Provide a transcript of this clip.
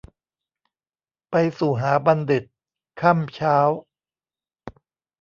ไปสู่หาบัณทิต ค่ำเช้า